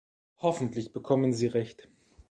Hoffentlich bekommen sie Recht.